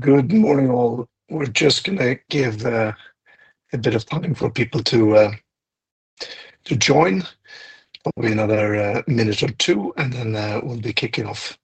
Good morning all. We're just going to give a bit of time for people to join, probably another minute or two and then we'll be kicking off.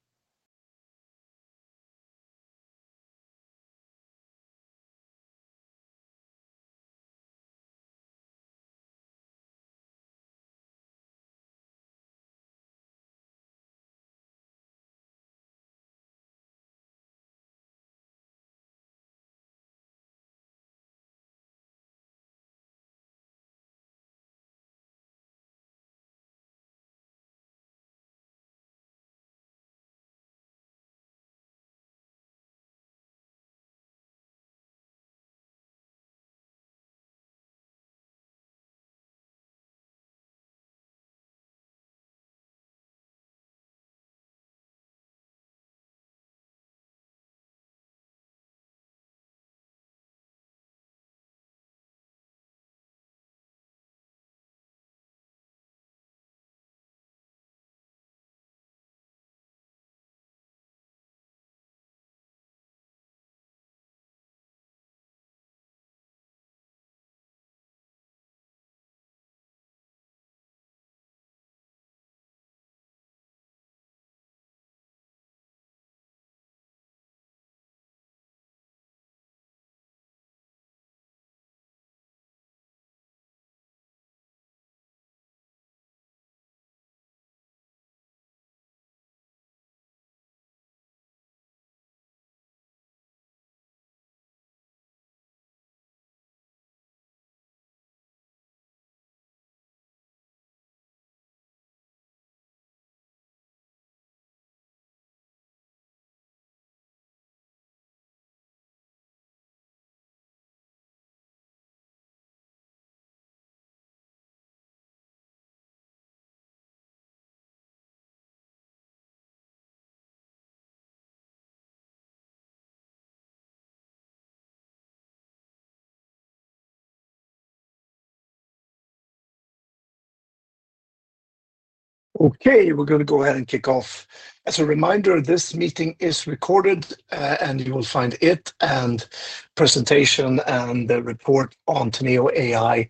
Okay, we're going to go ahead and kick off. As a reminder, this meeting is recorded and you will find it and the presentation and the report on Teneo AI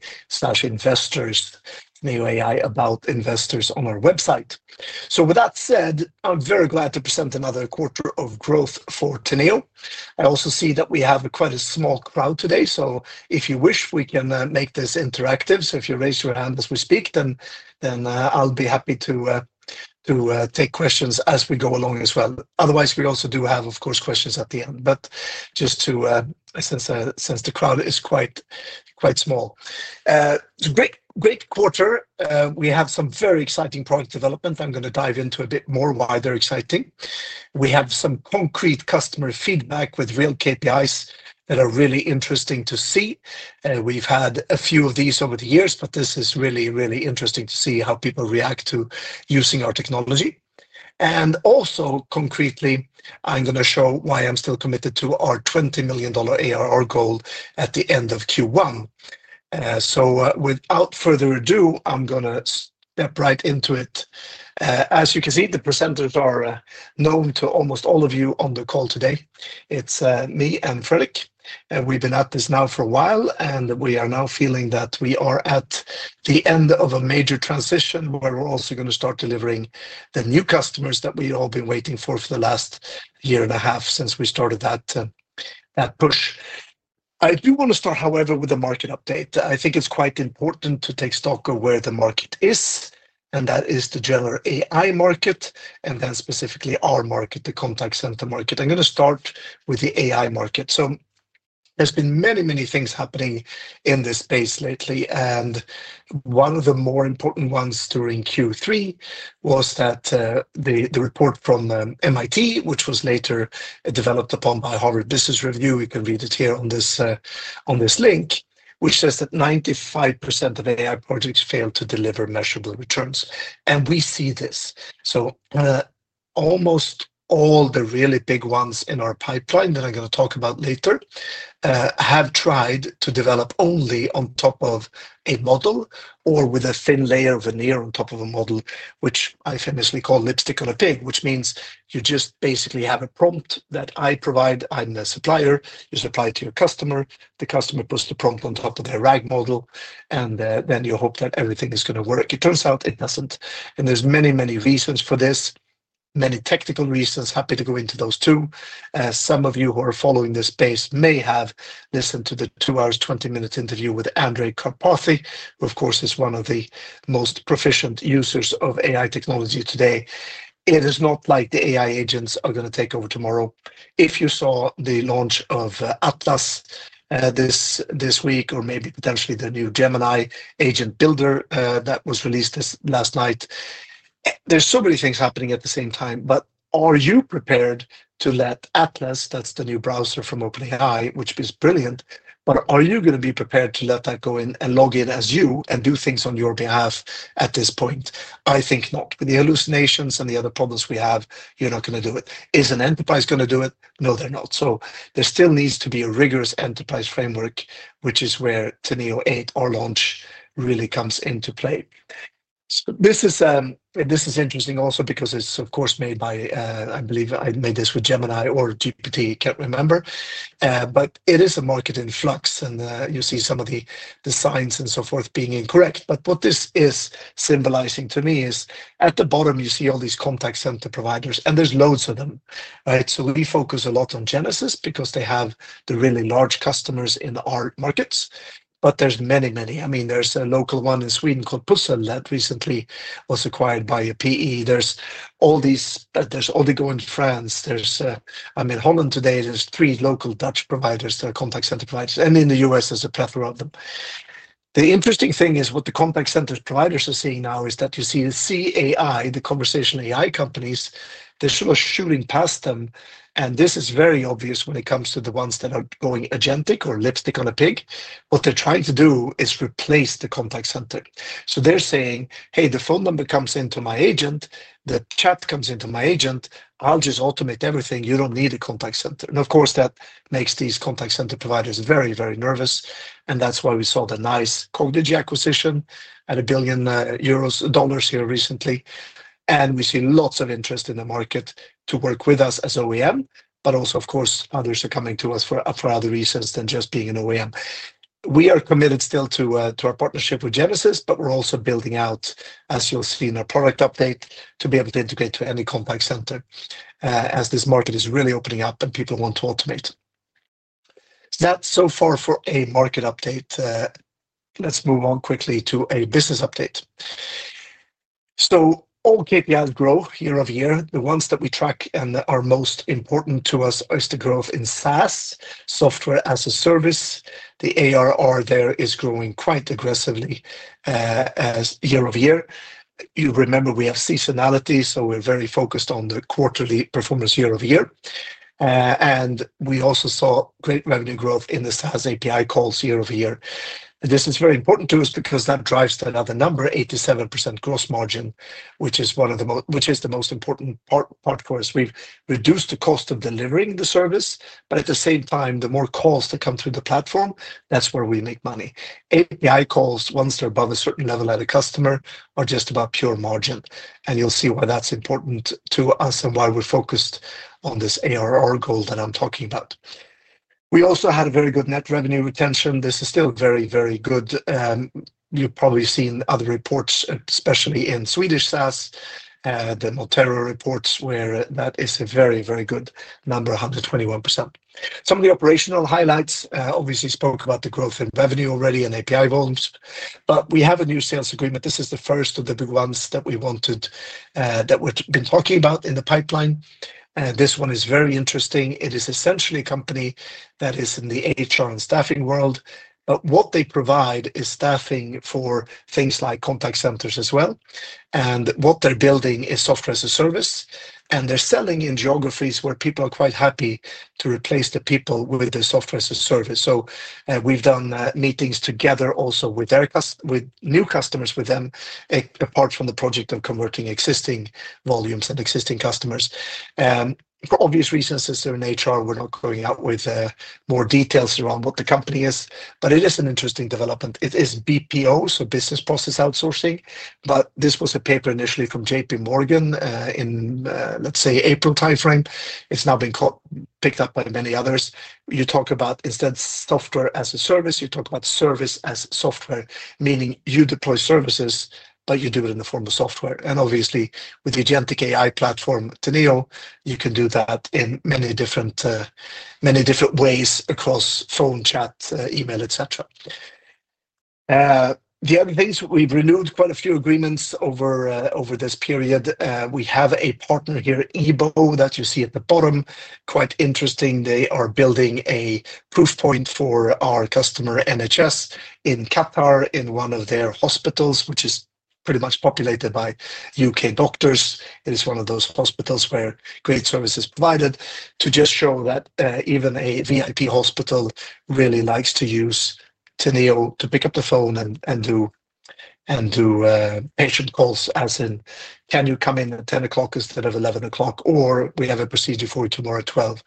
investors about investors on our website. With that said, I'm very glad to present another quarter of growth for Teneo. I also see that we have quite a small crowd today, so if you wish we can make this interactive. If you raise your hand as we speak, then I'll be happy to take questions as we go along as well. Otherwise, we also do have of course questions at the end, but just since the crowd is quite, quite small, it's a great, great quarter. We have some product development I'm going to dive into a bit more, why they're exciting. We have some concrete customer feedback with real KPIs that are really interesting to see. We've had a few of these over the years, but this is really, really interesting to see how people react to using our technology. Also, concretely, I'm going to show why I'm still committed to our $20 million ARR goal at the end of Q1. Without further ado, I'm going to step right into it. As you can see, the presenters are known to almost all of you on the call today. It's me and Fredrik. We've been at this now for a while and we are now feeling that we are at the end of a major transition where we're also going to start delivering the new customers that we have all been waiting for for the last year and a half since we started that push. I do want to start, however, with a market update. I think it's quite important to take stock of where the market is, and that is the general AI market and then specifically our market, the contact center market. I'm going to start with the AI market. There have been many, many things happening in this space lately and one of the more important ones during Q3 was that the report from MIT, which was later developed upon by Harvard Business Review, you can read it here on this link, which says that 95% of AI projects fail to deliver measurable returns and we see this. Almost all the really big ones in our pipeline that I'm going to talk about later have tried to develop only on top of a model or with a thin layer of veneer on top of a model, which I famously call Lipstick on a Pig, which means you just basically have a prompt that I provide. I'm the supplier, you supply to your customer, the customer puts the prompt on top of their RAG model and then you hope that everything is going to work. It turns out it doesn't, and there's many, many reasons for this, many technical reasons. Happy to go into those too. Some of you who are following this space may have listened to the 2 hours 20 minutes interview with Andrej Karpathy, who of course is one of the most proficient users of AI technology today. It is not like the AI Agents are going to take over tomorrow. If you saw the launch of Atlas this week, or maybe potentially the new Gemini Agent Builder, that was this last night. There's so many things happening at the same time. Are you prepared to let Atlas, that's the new browser from OpenAI, which is brilliant, go in and log in as you and do things on your behalf at this point? I think not. With the hallucinations and the other problems we have, you're not going to do it. Is an enterprise going to do it? No, they're not. There still needs to be a rigorous enterprise framework, which is where Teneo 8 or launch really comes into play. This is interesting also because it's of course made by, I believe I made this with Gemini or GPT, can't remember. It is a market in flux and you see some of the designs and so forth being incorrect. What this is symbolizing to me is at the bottom you see all these contact center providers and there's loads of them, right? We focus a lot on Genesys because they have the really large customers in our markets, but there's many, many. I mean there's a local one in Sweden called P that recently was acquired by a PE. There's all these, there's Odigo in France, I'm in Holland today, there's three local Dutch providers that are contact center providers, and in the U.S. there's a plethora of them. The interesting thing is what the contact center providers are seeing now is that you see AI, the Conversational AI companies, they're sort of shooting past them and this is very obvious when it comes to the ones that are going agentic or lipstick on a pig. What they're trying to do is replace the contact center. They're saying, hey, the phone number comes into my agent, the chat comes into my agent, I'll just automate everything, you don't need a contact center. Of course that makes these contact center providers very, very nervous. That's why we saw the NICE Codigi acquisition at $1 billion recently. We see lots of interest in the market to work with us as OEM. Of course, others are coming to us for other reasons than just being an OEM. We are committed still to our partnership with Genesys. We're also building out, as you'll see in our product update, to be able to integrate to any contact center. This market is really opening up and people want to automate that. So far for a market update. Let's move on quickly to a business update. All KPIs grow year-over-year. The ones that we track and are most important to us is the growth in SaaS, software as a service. The ARR there is growing quite aggressively year-over-year. You remember, we have seasonality, so we're very focused on the quarterly performance year-over-year. We also saw great revenue growth in the SaaS API calls year-over-year. This is very important to us because that drives another number, 87% gross margin, which is the most important part for us. We've reduced the cost of delivering the service, but at the same time, the more calls that come through the platform, that's where we make money. API calls, once they're above a certain level at a customer, are just about pure margin. You'll see why that's important to us and why we're focused on this ARR goal that I'm talking about. We also had a very good net revenue retention. This is still very, very good. You've probably seen other reports, especially in Swedish SaaS, the Notero reports, where that is a very, very good number, 121%. Some of the operational highlights obviously spoke about the growth in revenue already and API volumes, but we have a new sales agreement. This is the first of the big ones that we've been talking about in the pipeline. This one is very interesting. It is essentially a company that is in the HR and staffing world, but what they provide is staffing for things like contact centers as well. What they're building is software as a service, and they're selling in geographies where people are quite happy to replace the people with the software as a service. We've done meetings together also with their customers, with new customers, with them. Apart from the project of converting existing volumes and existing customers, for obvious reasons, as an ARR we're not going out with more details around what the company is, but it is an interesting development. It is BPO, so business process outsourcing. This was a paper initially from JPMorgan in, let's say, April time frame. It's now been picked up by many others. You talk about instead software as a service, you talk about service as software, meaning you deploy services, but you do it in the form of software. Obviously with the agentic AI platform, Teneo, you can do that in many different ways across phone, chat, email, etc. The other things, we've renewed quite a few agreements over this period. We have a partner here, EBO, that you see at the bottom. Quite interesting. They are building a proof point for our customer NHS in Qatar in one of their hospitals, which is pretty much populated by U.K. doctors. It is one of those hospitals where great service is provided to just show that even a VIP hospital really likes to use Teneo to pick up the phone and do patient calls, as in, can you come in at 10:00 A.M. instead of 11:00 A.M.? Or we have a procedure for you tomorrow at 12:00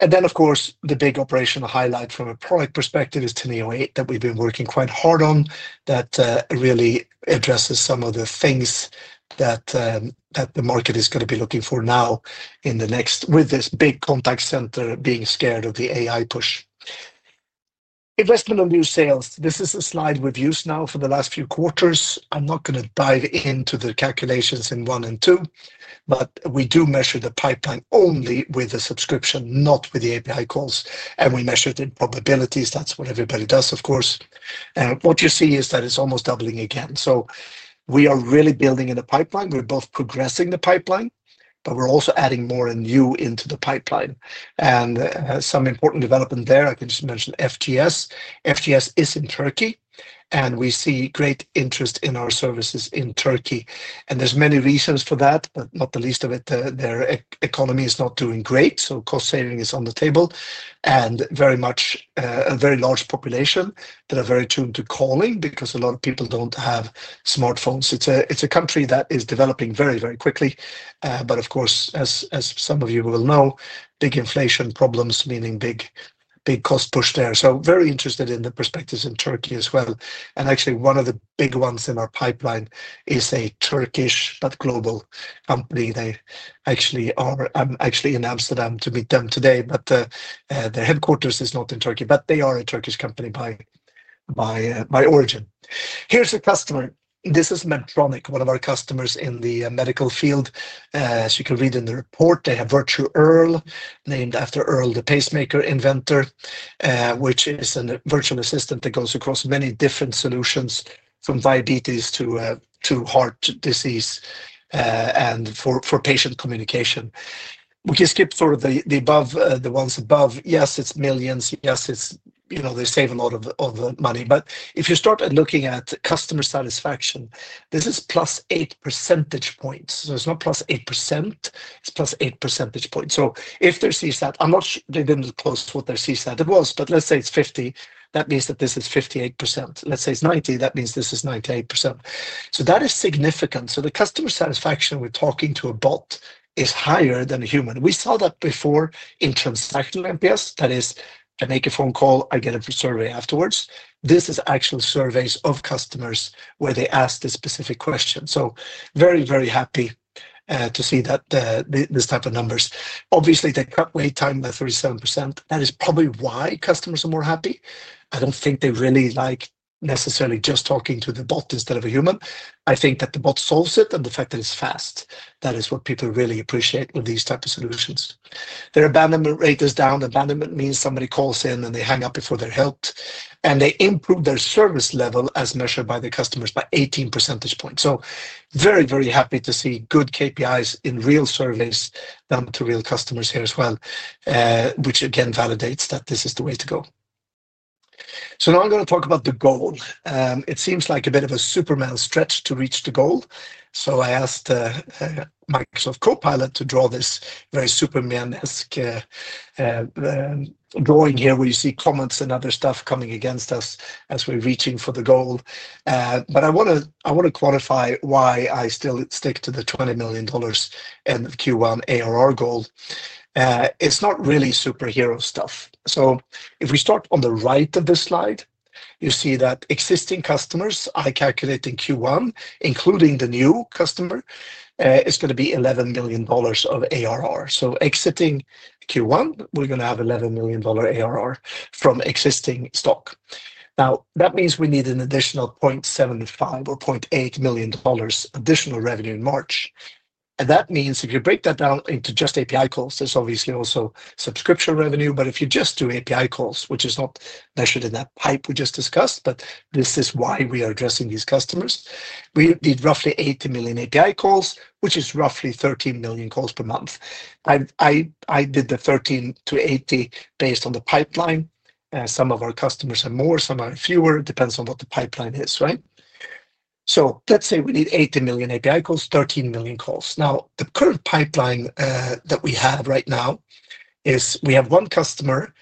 P.M. Of course, the big operational highlight from a product perspective is Teneo 8 that we've been working quite hard on, that really addresses some of the things that the market is going to be looking for now in the next, with this big contact center, being scared of the AI push investment on new sales. This is a slide we've used now for the last few quarters. I'm not going to dive into the calculations in 1 and 2, but we do measure the pipeline only with the subscription, not with the API calls. We measure it in probabilities. That's what everybody does, of course, and what you see is that it's almost doubling again. We are really building in the pipeline. We're both progressing the pipeline, but we're also adding more and new into the pipeline and some important development there. I can just mention FGS. FGS is in Turkey and we see great interest in our services in Turkey and there's many reasons for that, but not the least of it. Their economy is not doing great. Cost saving is on the table and very much a very large population that are very tuned to calling because a lot of people don't have smartphones. It's a country that is developing very, very quickly, but of course, as some of you will know, big inflation problems, meaning big, big cost push there. Very interested in the perspectives in Turkey as well. Actually, one of the big ones in our pipeline is a Turkish but global company. They actually are. I'm in Amsterdam to meet them today, but the headquarters is not in Turkey. They are a Turkish company. By my origin. Here's a customer. This is Medtronic, one of our customers in the medical field. As you can read in the report, they have Virtue Earl, named after Earl the pacemaker inventor, which is a virtual assistant that goes across many different solutions from diabetes to heart disease. For patient communication we can skip sort of the ones above. Yes, it's millions. Yes, they save a lot of money. If you start looking at customer satisfaction, this is +8 percentage points. It's not +8%. It's +8 percentage points. If they see that, they didn't close what their CSAT was. Let's say it's 50%, that means that this is 58%. Let's say it's 90%, that means this is 98%. That is significant. The customer satisfaction with talking to a bot is higher than a human. We saw that before in transactional NPS. That is, I make a phone call, I get a survey afterwards. This is actual surveys of customers where they ask the specific question. Very, very happy to see that this type of numbers obviously they cut wait time by 37%. That is probably why customers are more happy. I don't think they really like necessarily just talking to the bot instead of a human. I think that the bot solves it and the fact that it's fast, that is what people really appreciate with these type of solutions. Their abandonment rate is down. Abandonment means somebody calls in and they hang up before they're helped and they improve their service level as measured by the customers by 18 percentage points. Very, very happy to see good KPIs in real surveys to real customers here as well. Which again validates that this is the way to go. Now I'm going to talk about the goal. It seems like a bit of a Superman stretch to reach the goal. I asked Microsoft Copilot to draw this very Superman-esque drawing here where you see comments and other stuff coming against us as we're reaching for the goal. I want to quantify why I still stick to the $20 million end of Q1 ARR. It's not really superhero stuff. If we start on the right of the slide, you see that existing customers I calculate in Q1 including the new customer is going to be $11 million of ARR. Exiting Q1, we're going to have $11 million ARR from existing stock. That means we need an additional $0.75 million or $0.8 million additional revenue in March. That means if you break that down into just API calls, there's obviously also subscription revenue. If you just do API calls, which is not measured in that pipe we just discussed, this is why we are addressing these customers. We did roughly 80 million API calls, which is roughly 13 million calls per month. I did the 13 million-80 million based on the pipeline. Some of our customers are more, some are fewer. Depends on what the pipeline is, right? Let's say we need 80 million API calls, 13 million calls. The current pipeline that we have right now is we have one customer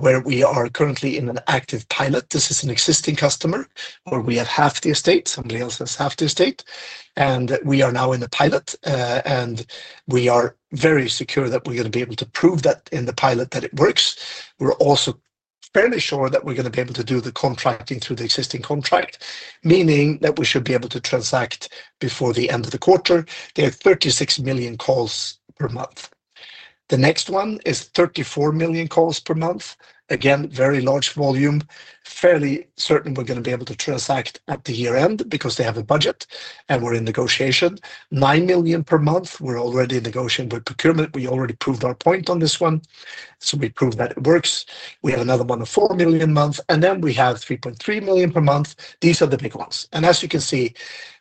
where we are currently in an active pilot. This is an existing customer where we have half the estate, somebody else has half the estate. We are now in the pilot and we are very secure that we're going to be able to prove that in the pilot that it works. We're also fairly sure that we're going to be able to do the contracting through the existing contract, meaning that we should be able to transact before the end of the quarter. There are 36 million calls per month. The next one is 34 million calls per month. Again, very large volume. Fairly certain we're going to be able to transact at the year end because they have a budget and we're in negotiation. 9 million per month. We're already negotiating with procurement. We already proved our point on this one. We proved that it works. We have another one of 4 million month and then we have 3.3 million per month. These are the big ones. As you can see,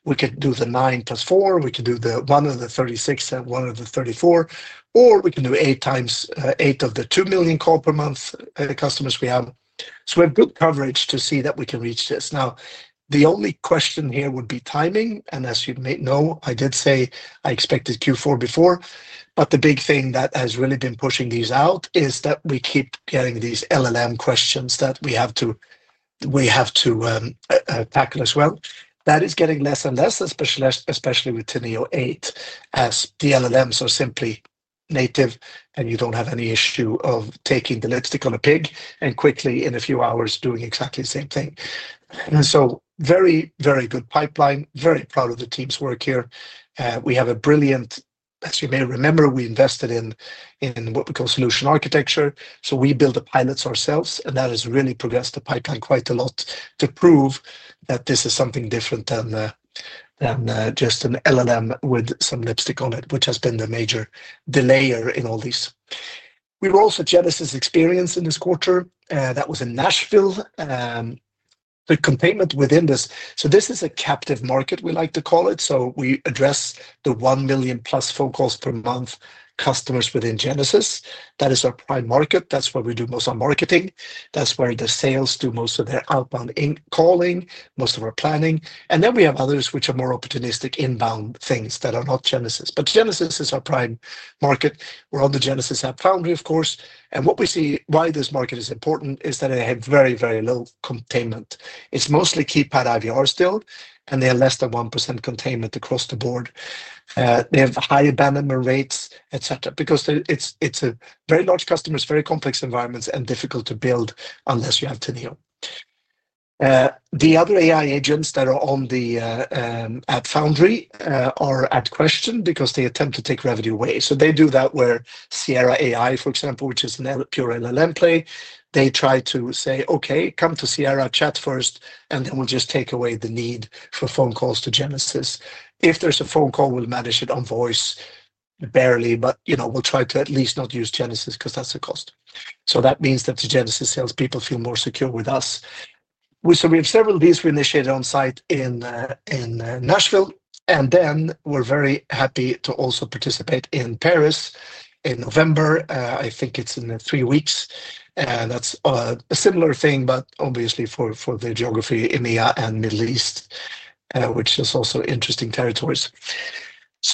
we could do the nine plus four, we could do one of the 36 and one of the 34, or we can do eight times eight of the 2 million call per month customers we have. We have good coverage to see that we can reach this. The only question here would be timing. As you may know, I did say I expected Q4 before. The big thing that has really been pushing these out is that we keep getting these LLM questions that we have to tackle as well. That is getting less and less, especially with Teneo 8 as DLLMs are simply native and you don't have any issue of taking the lipstick on a pig and quickly in a few hours doing exactly the same thing. Very, very good pipeline. Very proud of the team's work. Here we have a brilliant, as you may remember, we invested in what we call solution architecture. We build the pilots ourselves, and that has really progressed the pipeline quite a lot. This is something different than just an LLM with some lipstick on it, which has been the major delayer in all these. We were also Genesys experience in this quarter, that was in Nashville. The containment within this, this is a captive market, we like to call it. We address the 1 million plus phone calls per month customers within Genesys. That is our prime market. That's where we do most of marketing, that's where the sales do most of their outbound calling, most of our planning. We have others which are more opportunistic inbound things that are not Genesys, but Genesys is our prime market. We're on the Genesys App Foundry, of course. What we see, why this market is important, is that they have very, very low containment. It's mostly keypad IVR still, and they are less than 1% containment across the board. They have high abandonment rates, etc. Because it's very large customers, very complex environments and difficult to build unless you have television. The other AI Agents that are on the App Foundry are at question because they attempt to take revenue away. They do that where Sierra AI, for example, which is a pure LLM play, they try to say, okay, come to Sierra Chat first and then we'll just take away the need for phone calls to Genesys. If there's a phone call, we'll manage it on voice barely, but we'll try to at least not use Genesys because that's the cost. That means that the Genesys sales people feel more secure with us. We have several of these we initiated on site in Nashville and we're very happy to also participate in Paris in November. I think it's in three weeks, and that's a similar thing, obviously for the geography, EMEA and Middle East, which is also interesting territories.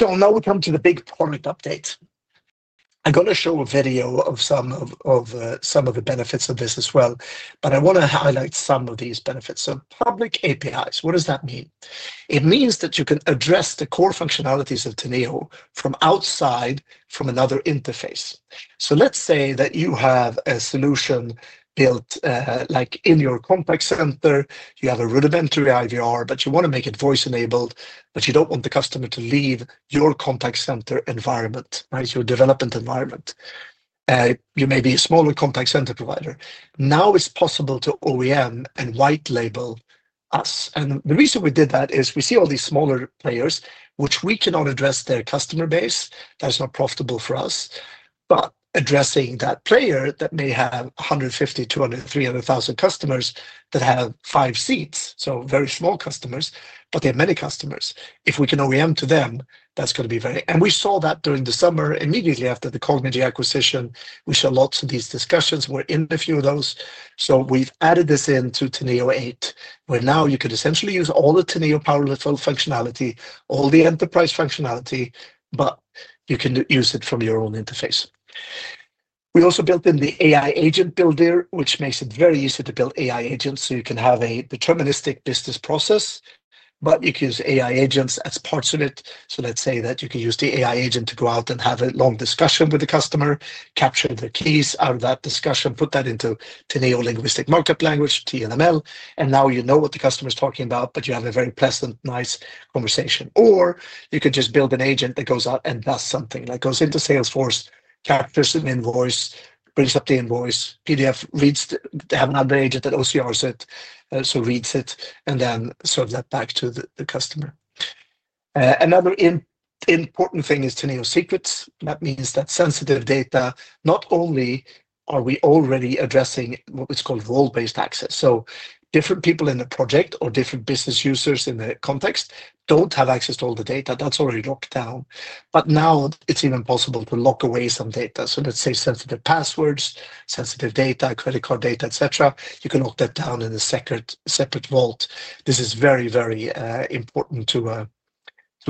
Now we come to the big public update. I'm going to show a video of some of the benefits of this as well. I want to highlight some of these benefits of public API. What does that mean? It means that you can address the core functionalities of Teneo from outside, from another interface. Let's say that you have a solution built in your contact center, you have a rudimentary IVR, but you want to make it voice enabled, but you don't want the customer to leave your contact center environment, your development environment. You may be a smaller contact center provider. Now it's possible to OEM and white label us. The reason we did that is we see all these smaller players which we cannot address their customer base, that's not profitable for us. Addressing that player that may have 150,000 200,000 or 300,000 customers that have five seats, so very small customers, but they have many customers. If we can OEM to them, that's going to be very important. We saw that during the summer, immediately after the Cognitive acquisition, which led to these discussions. We were in a few of those. We've added this into Teneo 8, where now you could essentially use all the Neo power level functionality, all the enterprise functionality, but you can use it from your own interface. We also built in the AI agent builder, which makes it very easy to build AI agents. You can have a deterministic business process, but you can use AI agents as parts of it. Let's say that you can use the AI agent to go out and have a long discussion with the customer, capture the keys out of that discussion, put that into Teneo linguistic markup language, TNML, and now you know what the customer is talking about, but you have a very pleasant, nice conversation. Or you could just build an agent that goes out and does something like goes into Salesforce, captures an invoice, brings up the invoice PDF, reads it, then have another agent that OCRs it, so reads it and then serves that back to the customer. Another important thing is Teneo Secrets. That means that sensitive data, not only are we already addressing what's called role-based access, so different people in the project or different business users in the context don't have access to all the data, that's already locked down. Now it's even possible to lock away some data. Let's say sensitive passwords, sensitive data, credit card data, etc., you can lock that down in a separate vault. This is very, very important to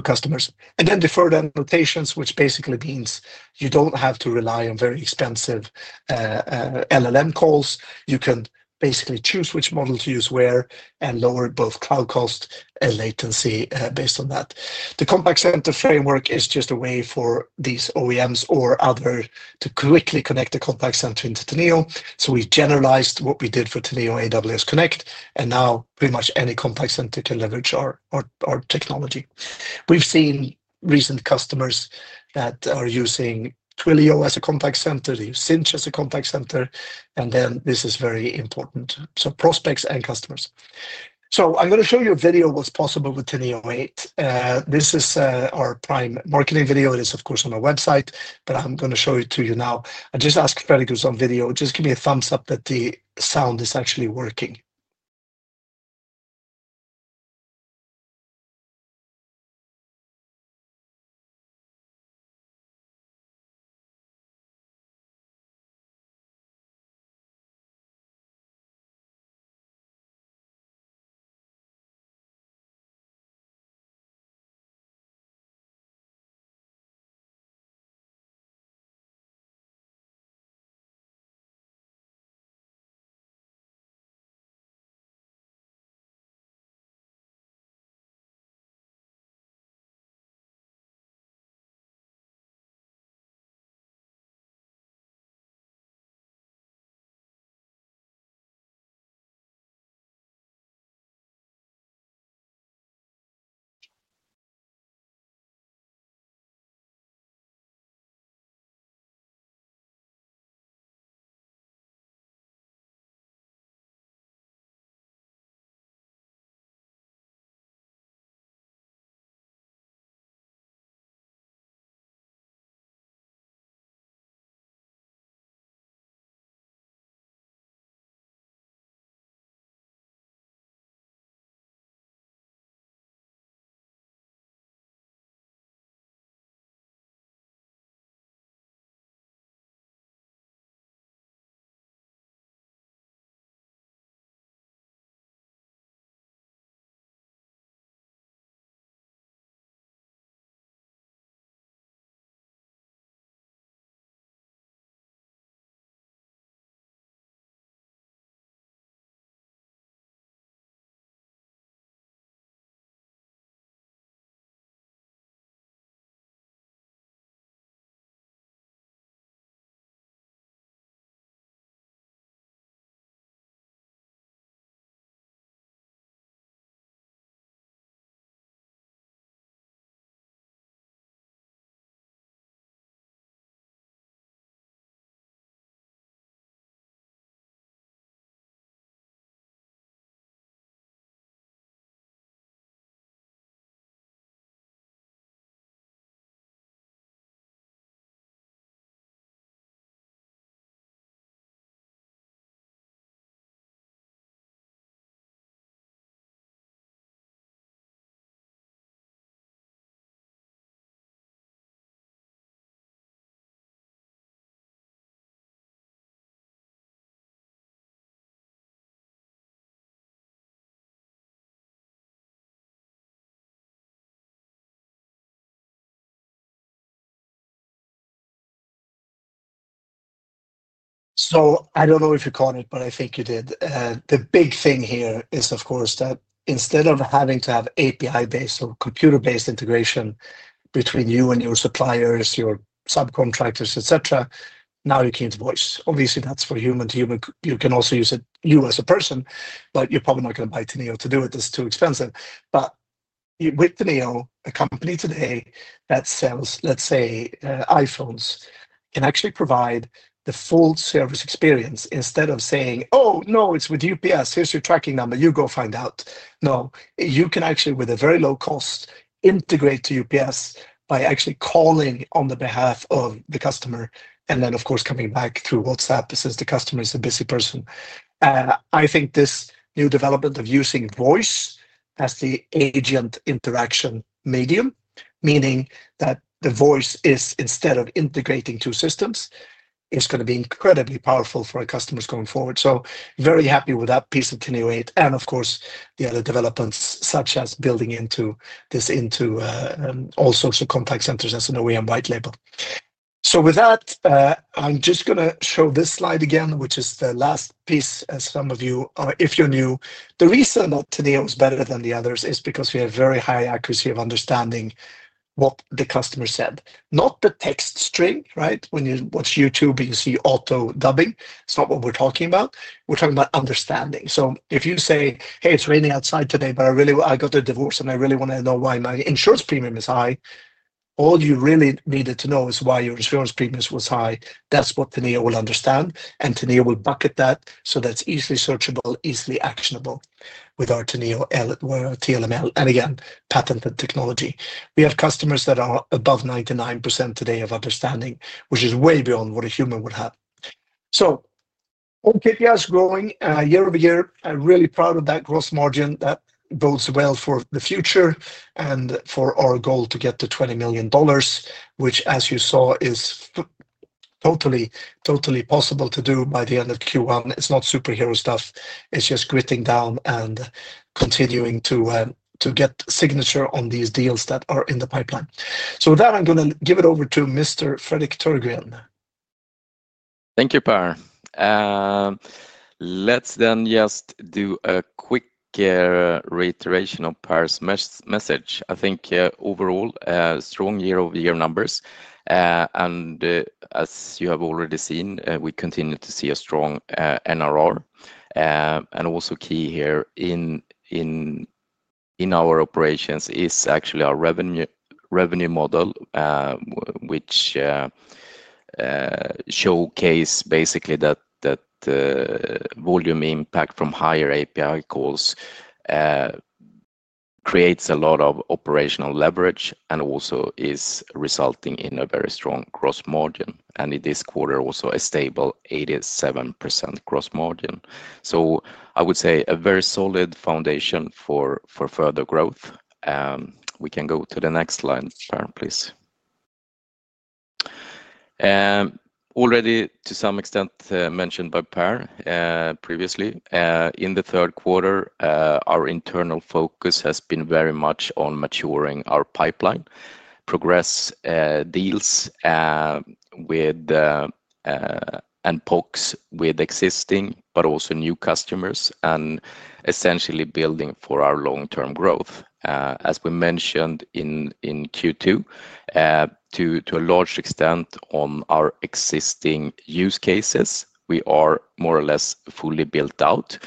customers. Then deferred annotations, which basically means you don't have to rely on very expensive LLM calls. You can basically choose which model to use where and lower both cloud cost and latency based on that. The contact center framework is just a way for these OEM or others to quickly connect the contact center into Teneo. We generalized what we did for Teneo AWS Connect and now pretty much any contact center can leverage our technology. We've seen recent customers that are using Twilio as a contact center, they use Sinch as a contact center and this is very important. Prospects and customers, I'm going to show you a video of what's possible with Teneo 8. This is our prime marketing video. It is of course on our website, but I'm going to show it to you now. The video is on. Just give me a thumbs up that the sound is actually working. I don't know if you caught it, but I think you did. The big thing here is of course that instead of having to have API-based or computer-based integration between you and your suppliers, your subcontractors, etc., now you can use voice. Obviously that's for human to you, but you can also use you as a person. You're probably not going to buy Teneo to do it, it's too expensive. With Teneo, a company today that sells, let's say, iPhones can actually provide the full service experience instead of saying oh no, it's with UPS, here's your tracking number, you go find out. You can actually with a very low cost integrate to UPS by actually calling on the behalf of the customer and then coming back through WhatsApp since the customer is a busy person. I think this new development of using voice as the agent interaction means that the voice is instead of integrating two systems, it's going to be incredibly powerful for our customers going forward. I'm very happy with that piece of Teneo 8 and the other developments such as building this into all sorts of contact centers as an OEM white-label. I'm just going to show this slide again which is the last piece. As some of you, if you're new, the reason today was better than the others is because we have very high accuracy of understanding what the customer said, not the text string, right? When you watch YouTube you see auto dubbing. It's not what we're talking about. We're talking about understanding. If you say hey it's raining outside today, but I really, I got a divorce and I really want to know why my insurance premium is high. All you really needed to know is why your insurance premium was high. That's what Teneo will understand and Teneo will bucket that. That's easily searchable, easily actionable. With Teneo, TLML, and again patented technology, we have customers that are above 99% today of understanding, which is way beyond what a human would have. KPI is growing year-over-year. I'm really proud of that gross margin that bodes well for the future and for our goal to get to $20 million, which as you saw is totally, totally possible to do by the end of Q1. It's not superhero stuff, it's just gritting down and continuing to get signature on these deals that are in the pipeline. With that, I'm going to give it over to Mr. Fredrik Törgren. Thank you, Per. Let's then just do a quick reiteration of Per's message. I think overall strong year-over-year numbers, and as you have already seen, we continue to see a strong NRR. Also key here in our operations is actually our revenue model, which showcases basically that volume impact from higher API calls creates a lot of operational leverage and also is resulting in a very strong gross margin, and in this quarter also a stable 87% gross margin. I would say a very solid foundation for further growth. We can go to the next slide. Per, please. Already to some extent mentioned by Per previously, in the third quarter our internal focus has been very much on maturing our pipeline, progressing deals and PoCs with existing but also new customers, and essentially building for our long-term growth. As we mentioned in Q2, to a large extent on our existing use cases we are more or less fully built out,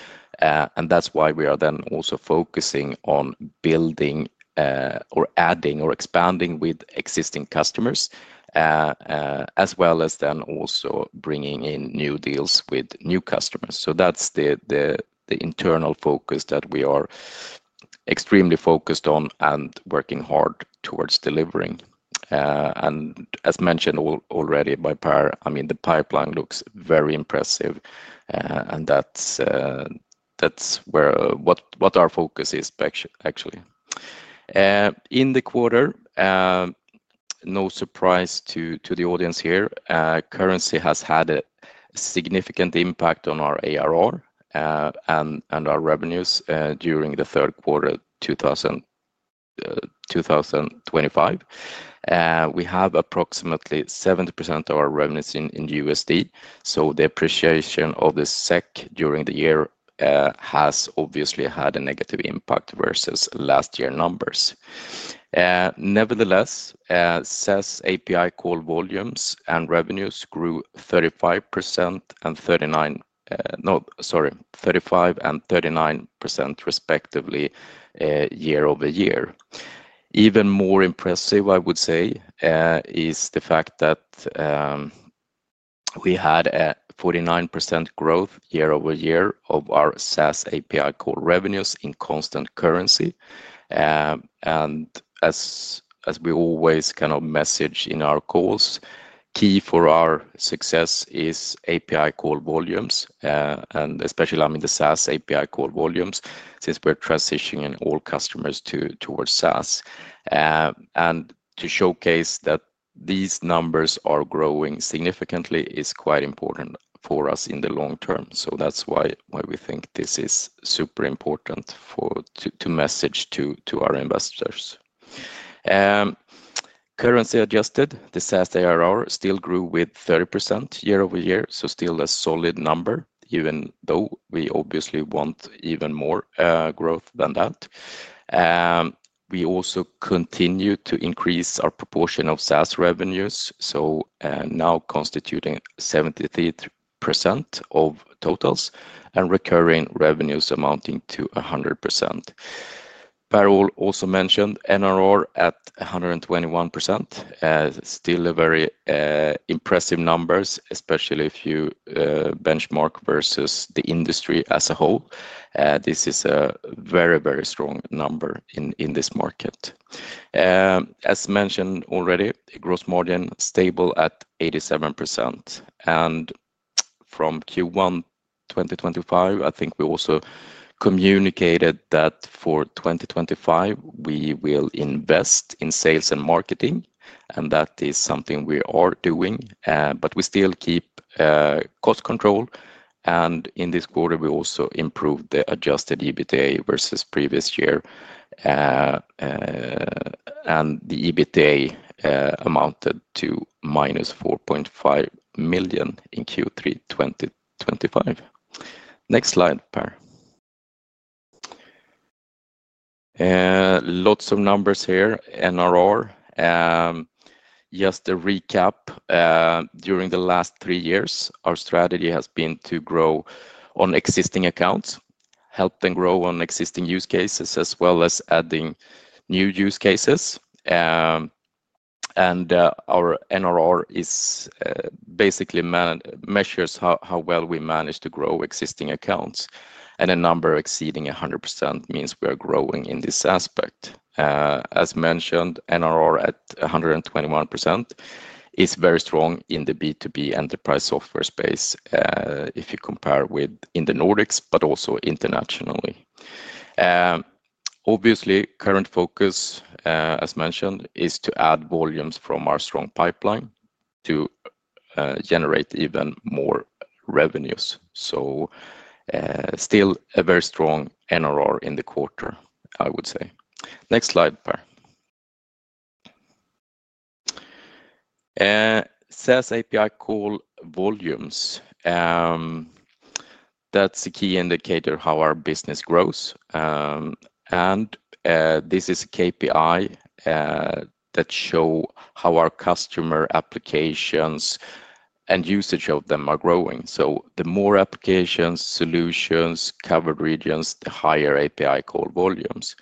and that's why we are then also focusing on building or adding or expanding with existing customers as well as then also bringing in new deals with new customers. That's the internal focus that we are extremely focused on and working hard towards delivering. As mentioned already by Per, the pipeline looks very impressive and that's what our focus is actually in the quarter. No surprise to the audience here, currency has had a significant impact on our ARR and our revenues. During the third quarter 2025, we have approximately 70% of our revenues in USD, so the appreciation of the SEK during the year has obviously had a negative impact versus last year numbers. Nevertheless, SaaS API call volumes and revenues grew 35% and 39%, 35% and 39% respectively year-over-year. Even more impressive, I would say, is the fact that we had a 49% growth year-over-year of our SaaS API core revenues in constant currency. As we always kind of message in our calls, key for our success is API call volumes and especially the SaaS API call volumes. Since we're transitioning all customers towards SaaS, and to showcase that these numbers are growing significantly is quite important for us in the long term. That's why we think this is super important to message to our investors. Currency adjusted, the SaaS ARR still grew with 30% year-over-year, so still a solid number even though we obviously want even more growth than that. We also continue to increase our proportion of SaaS revenues, so now constituting 73% of totals and recurring revenues amounting to 100%. Per also mentioned NRR at 121%, still a very impressive number, especially if you benchmark versus the industry as a whole. This is a very, very strong number in this market. As mentioned already, gross margin stable at 87%. From Q1 2025, I think we also communicated that for 2025 we will invest in sales and marketing, and that is something we are doing, but we still keep cost control. In this quarter, we also improved the adjusted EBITDA versus previous year, and the EBITDA amounted to -$4.5 million in Q3 2025. Next slide. Lots of numbers here. NRR, just to recap, during the last three years our strategy has been to grow on existing accounts, help them grow on existing use cases as well as adding new use cases, and our NRR basically measures how well we manage to grow existing accounts, and a number exceeding one means we are growing in this aspect. As mentioned, NRR at 121% is very strong in the B2B enterprise software space if you compare within the Nordics but also internationally. Obviously, current focus as mentioned is to add volumes from our strong pipeline to generate even more revenues. Still a very strong NRR in the quarter, I would say. Next slide. SaaS API call volumes. That's a key indicator of how our business grows, and this is a KPI that shows how our customer applications and usage of them are growing. The more applications, solutions, covered regions, the higher API call volumes.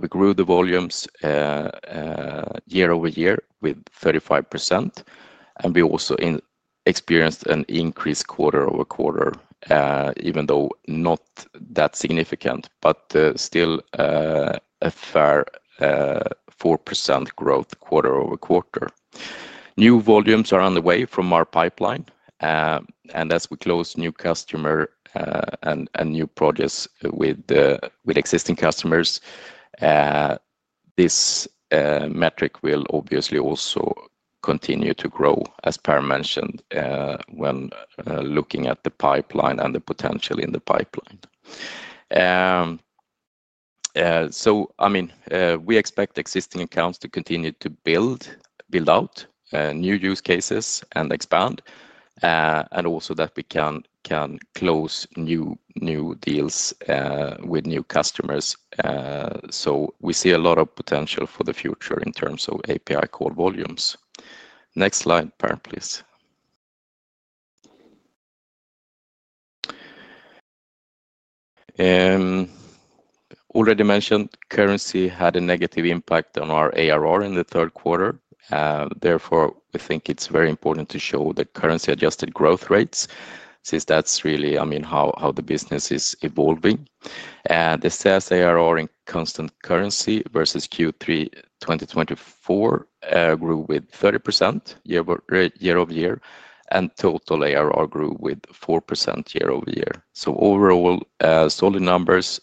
We grew the volumes year-over-year with 35%, and we also experienced an increase quarter over quarter, even though not that significant, but still a fair 4% growth quarter over quarter. New volumes are underway from our pipeline, and as we close new customers and new projects with existing customers, this metric will obviously also continue to grow as mentioned when looking at the pipeline and the potential in the pipeline. We expect existing accounts to continue to build out new use cases and expand, and also that we can close new deals with new customers. We see a lot of potential for the future in terms of API call volumes. Next slide, please. Already mentioned, currency had a negative impact on our ARR in the third quarter. Therefore, we think it's very important to show the currency adjusted growth rates since that's really how the business is evolving, and it says ARR in constant currency versus Q3 2024 grew with 30% year-over-year, and total ARR grew with 4% year-over-year. Overall solid numbers,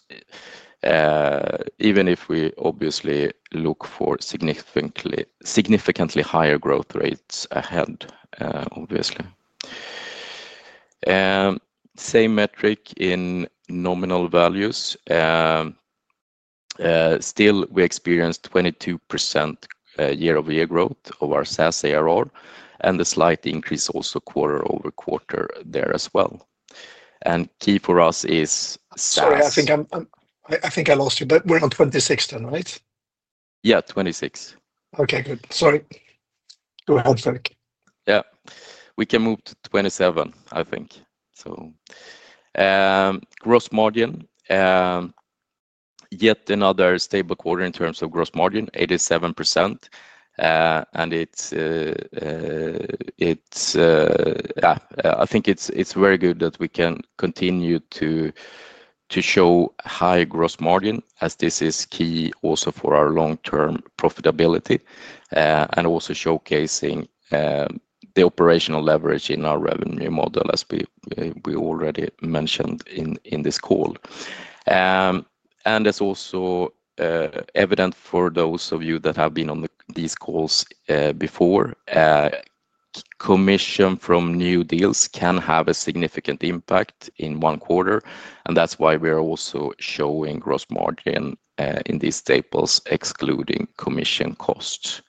even if we obviously look for significantly higher growth rates ahead. Obviously, same metric in nominal values. Still, we experienced 22% year-over-year growth of our SaaS ARR and a slight increase also quarter over quarter there as well. Key for us is. Sorry, I think I lost you. We're on 26 then, right? Yeah, 26. Okay, good. Sorry. Go ahead, Fredrik. Yeah, we can move to 27, I think so. Gross margin, yet another stable quarter in terms of gross margin, 87%. I think it's very good that we can continue to show high gross margin as this is key also for our long-term profitability and also showcasing the operational leverage in our revenue model as we already mentioned in this call. It's also evident for those of you that have been on these calls before, commission from new deals can have a significant impact in one quarter. That's why we're also showing gross margin in these tables, excluding commission costs.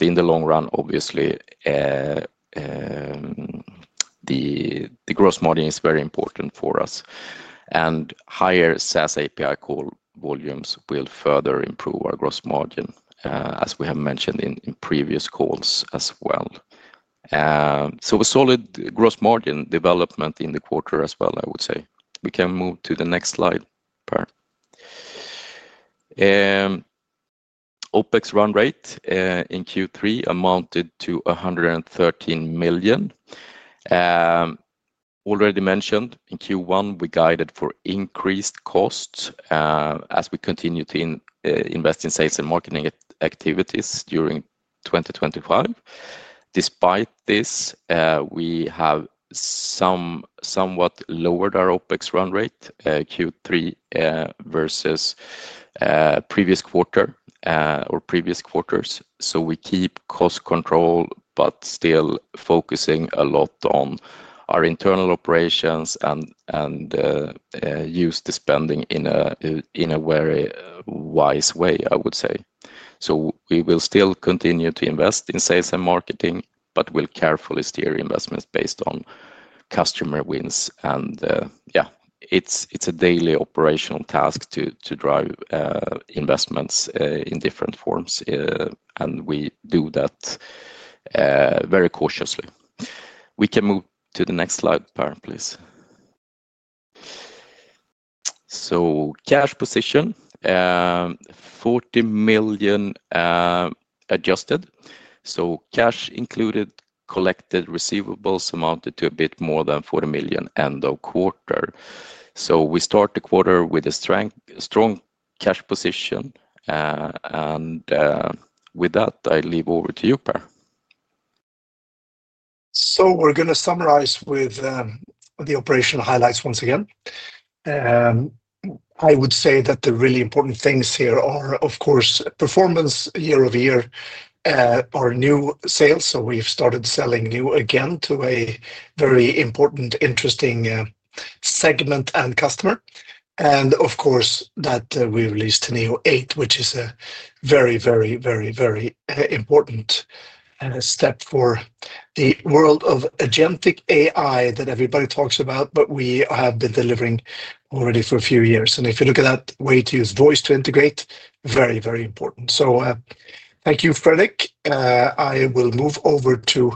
In the long run, obviously the gross margin is very important for us. Higher SaaS API call volumes will further improve our gross margin as we have mentioned in previous calls as well. A solid gross margin development in the quarter as well. I would say we can move to the next slide. Parent OpEx run rate in Q3 amounted to $113 million. Already mentioned in Q1, we guided for increased costs as we continue to invest in sales and marketing activities during 2025. Despite this, we have somewhat lowered our OpEx run rate Q2.3 versus previous quarter or previous quarters. We keep cost control but still focusing a lot on our internal operations and use the spending in a very wise way, I would say. We will still continue to invest in sales and marketing, but we'll carefully steer investments based on customer wins. It's a daily operational task to drive investments in different forms and we do that very cautiously. We can move to the next slide. Par, please. Cash position $40 million adjusted. Cash included, collected receivables amounted to a bit more than $40 million end of quarter. We start the quarter with a strong cash position and with that I leave over to you, Per. We're going to summarize with the operational highlights once again. I would say that the really important things here are, of course, performance year-over-year, our new sales. We've started selling new again to a very important, interesting segment and customer. Of course, we released Teneo 8, which is a very, very, very, very important step for the world of agentic AI that everybody talks about. We have been delivering already for a few years, and if you look at that way to use voice to integrate, very, very important. Thank you, Fredrik. I will move over to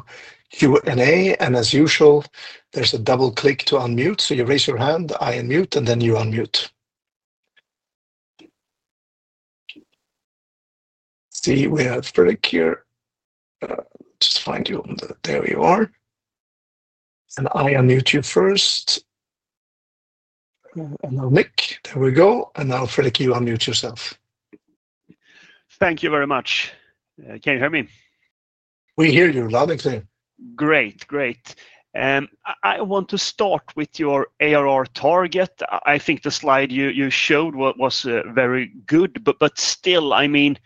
Q and A, and as usual, there's A to unmute. You raise your hand, I unmute, and then you unmute. We have Fredrik here. Just find you. There you are. I unmute you first. Now Nick. There we go. Now Fredrik, you unmute yourself. Thank you very much. Can you hear me? We hear you. Loud and clear. Great, great. I want to start with your ARR target. I think the slide you showed was very good, but still, I mean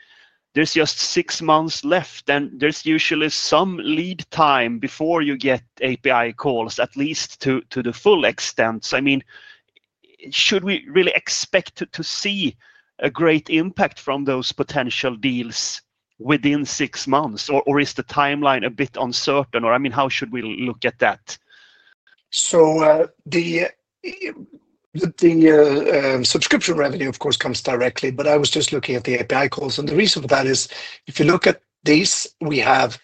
there's just six months left and there's usually some lead time before you get API calls, at least to the full extent. I mean should we really expect to see a great impact from those potential deals within six months, or is the timeline a bit uncertain, or I mean how should we look at that? The subscription revenue of course comes directly, but I was just looking at the API calls and the reason for that is if you look at this, we have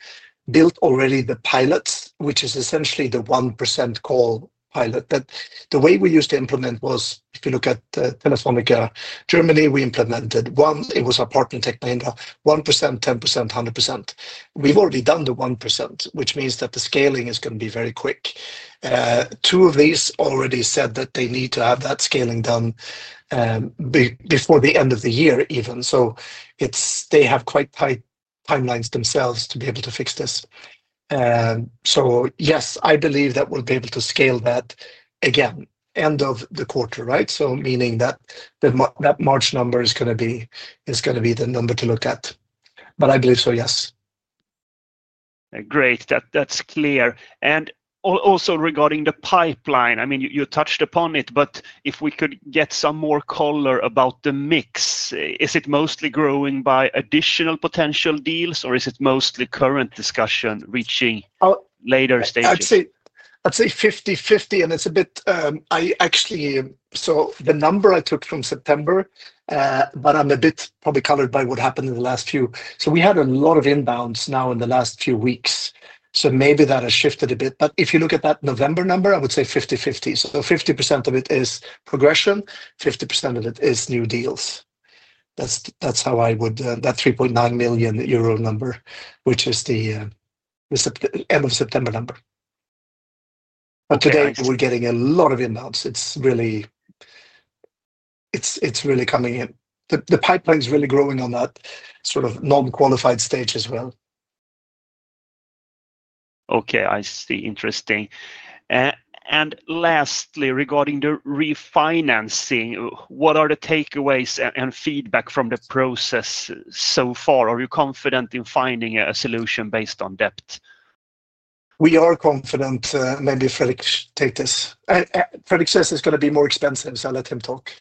built already the pilots, which is essentially the 1% call pilot. The way we used to implement was if you look at Telefónica Germany, we implemented one. It was a partner technique, 1%, 10%, 100%. We've already done the 1%, which means that the scaling is going to be very quick. Two of these already said that they need to have that scaling done before the end of the year. Even so, they have quite tight timelines themselves to be able to fix this. Yes, I believe that we'll be able to scale that again end of the quarter. Right. Meaning that that March number is going to be the number to look at, but I believe so, yes. Great, that's clear. Also, regarding the pipeline, you touched upon it. If we could get some more color about the mix, is it mostly growing by additional potential deals, or is it mostly current discussion reaching later stages? I'd say 50/50, and it's a bit, I actually, so the number I took from September, but I'm probably a bit colored by what happened in the last few. We had a lot of inbounds now in the last few weeks, so maybe that has shifted a bit. If you look at that November number, I would say 50/50. So 50% of it is progression, 50% of it is new deals. That's how I would, that 3.9 million euro number, which is the end of September number. Today we're getting a lot of inbounds. It's really, really, it's really coming in. The pipeline is really growing on that sort of non-qualified stage as well. Okay, I see. Interesting. Lastly, regarding the refinancing, what are the takeaways and feedback from the process so far? Are you confident in finding a solution based on depth? We are confident. Maybe Fredrik, take this. Fredrik says it's going to be more expensive, so I let him talk.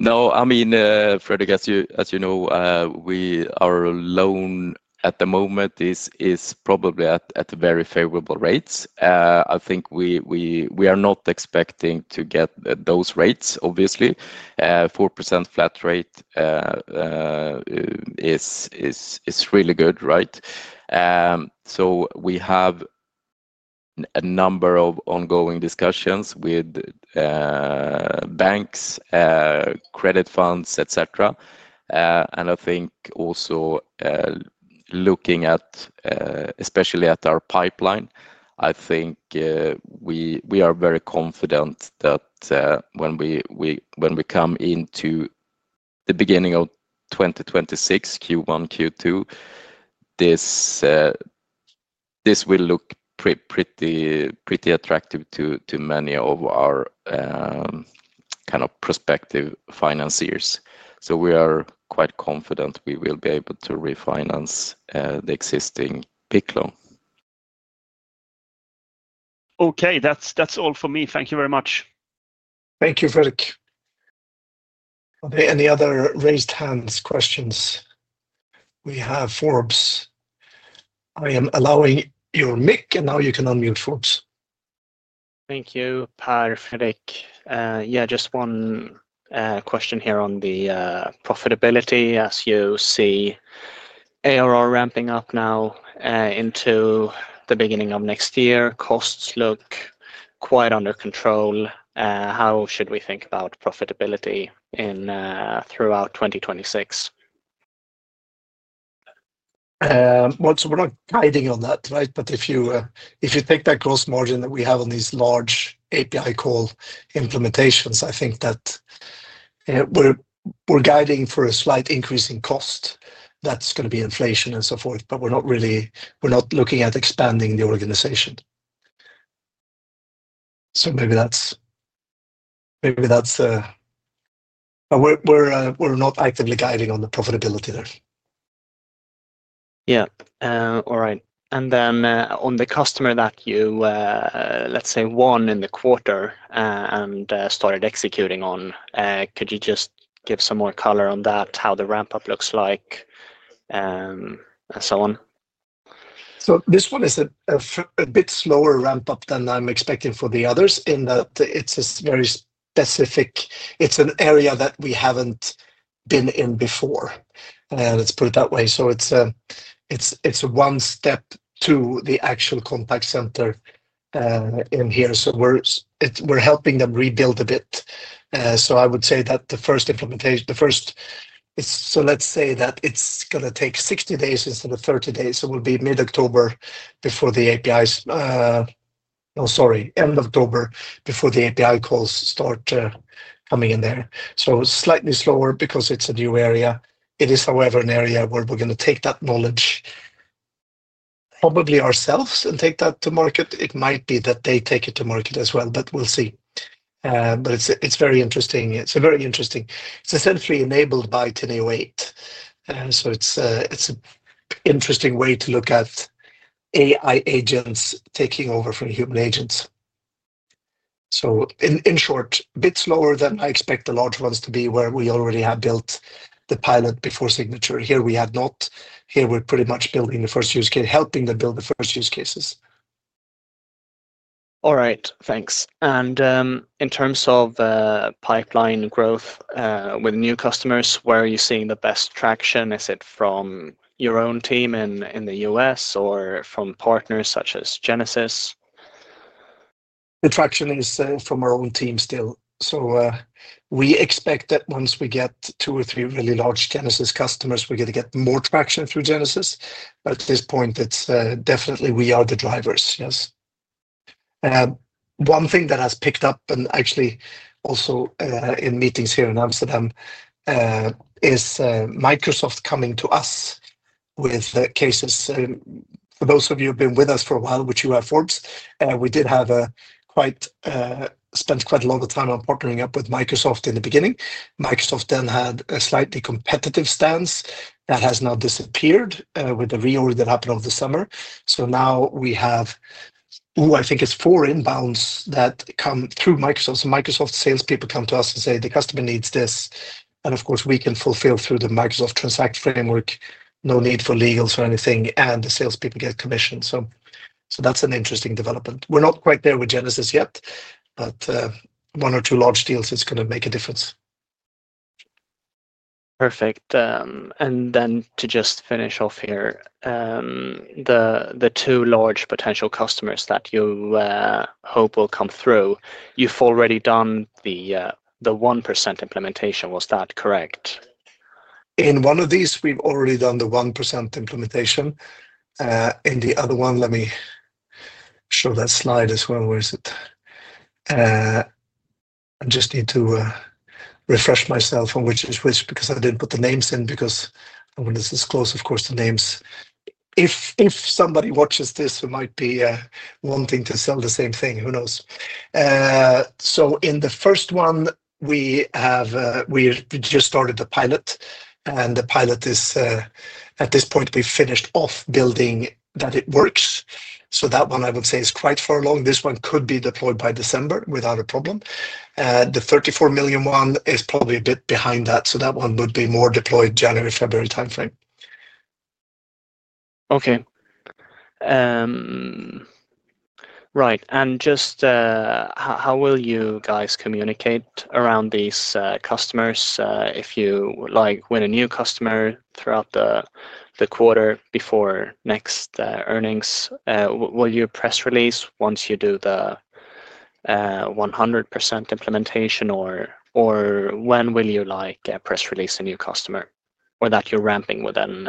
No, I mean Fredrik, as you know, our loan at the moment is probably at very favorable rates. I think we are not expecting to get those rates. Obviously, 4% flat rate is really good. Right. We have a number of ongoing discussions with banks, credit funds, etc. I think also, looking especially at our pipeline, we are very confident that when we come into the beginning of 2026 Q1, Q2, this will look pretty attractive to many of our prospective financiers. We are quite confident we will be able to refinance the existing piclo. Okay, that's all for me. Thank you very much. Thank you. Fredrik. Any other raised hands questions? We have Forbes. I am allowing your mic, and now you can unmute, Forbes. Thank you. Yeah, just one question here on the profitability as you see ARR ramping up now into the beginning of next year, costs look quite under control. How should we think about profitability throughout 2026? We're not guiding on that. Right. If you take that gross margin that we have on these large API call implementations, I think that we're guiding for a slight increase in cost. That's going to be inflation and so forth. We're not really looking at expanding the organization. Maybe that's, maybe that's. We're not actively guiding on the profitability there. All right. On the customer that you, let's say, won in the quarter and started executing on, could you just give some more color on that, how the ramp up looks like and so on? This one is a bit slower ramp up than I'm expecting for the others in that it's a very specific, it's an area that we haven't been in before. Let's put it that way. It's one step to the actual contact center in here. We're helping them rebuild a bit. I would say that the first implementation, the first, let's say that it's going to take 60 days instead of 30 days. It will be mid October before the APIs, no, sorry, end of October before the API calls start coming in there. Slightly slower because it's a new area. It is, however, an area where we're going to take that knowledge probably ourselves and take that to market. It might be that they take it to market as well, but we'll see. It's very interesting. It's essentially enabled by Teneo 8, so it's an interesting way to look at AI Agents taking over from human agents. In short, bit slower than I expect the large ones to be, where we already have built the pilot before signature. Here we had not. Here, we're pretty much building the first use case, helping them build the first use cases. All right, thanks. In terms of pipeline growth with new customers, where are you seeing the best traction? Is it from your own team in the U.S. or from partners such as Genesys? The traction is from our own team still. We expect that once we get two or three really large Genesys customers, we're going to get more traction through Genesys. At this point, it's definitely we are the drivers. Yes. One thing that has picked up, and actually also in meetings here in Amsterdam, is Microsoft coming to us with cases. For those of you who've been with us for a while with UI Forbes, we did spend quite a lot of time on partnering up with Microsoft in the beginning. Microsoft then had a slightly competitive stance that has now disappeared with the reorder that happened over the summer. Now we have, I think it's four inbounds that come through Microsoft. Microsoft salespeople come to us and say the customer needs this, and of course we can fulfill through the Microsoft Transact framework. No need for legals or anything, and the salespeople get commission. That's an interesting development. We're not quite there with Genesys yet, but one or two large deals is going to make a difference. Perfect. To just finish off here, the two large potential customers that you hope will come through, you've already done the 1% implementation, was that correct in one of these? We've already done the 1% implementation in the other one. Let me show that slide as well. Where is it? I just need to refresh myself on which is which because I didn't put the names in because I want to disclose, of course, the names. If somebody watches this who might be wanting to sell the same thing. Who knows. In the first one, we just started the pilot and the pilot is at this point we finished off building that it works. That one I would say is quite far along. This one could be deployed by December without a problem. The $34 million one is probably a bit behind that. That one would be more deployed January, February time frame. Okay. Right. How will you guys communicate around these customers? If you win a new customer throughout the quarter before next earnings, will you press release once you do the 100% implementation, or when will you press release a new customer or that you're ramping with an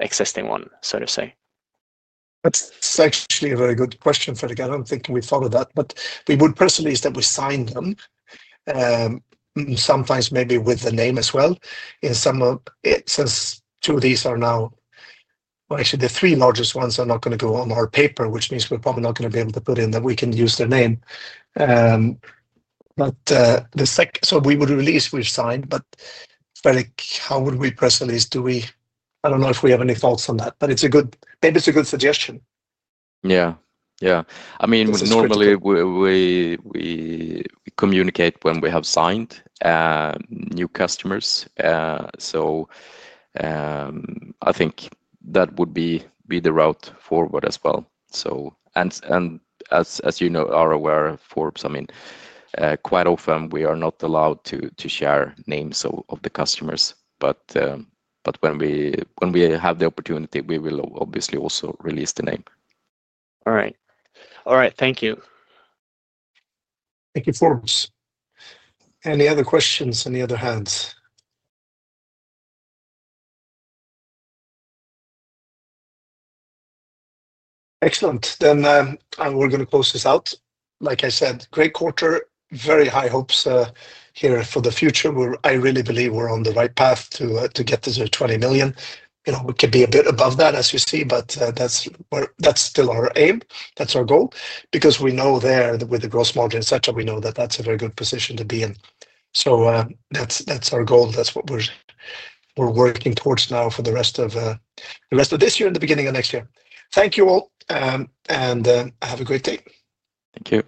existing one? That's actually a very good question, Fred. I don't think we follow that, but we would personally sign them sometimes, maybe with the name as well in some of. Since two of these are now, actually the three largest ones are not going to go on our paper, which means we're probably not going to be able to put in that we can use their name. The sec. We would release we've signed, but Fred, how would we personally do we. I don't know if we have any thoughts on that, but maybe it's a good suggestion. Yeah. Yeah. I mean normally we communicate when we have signed new customers. I think that would be the route forward as well. As you know, are aware of Forbes, quite often we are not allowed to share names of the customers. When we have the opportunity, we will obviously also release the name. All right. Thank you. Thank you Forbes. Any other questions? Excellent. We're going to close this out. Like I said, great quarter, very high hopes here for the future where I really believe we're on the right path to get to the $20 million and you know, we could be a bit above that, as you see, but that's still our aim. That's our goal because we know there with the gross margin, etc., we know that that's a very good position to be in. That's our goal. That's what we're working towards now for the rest of this year and the beginning of next year. Thank you all and have a great day. Thank you.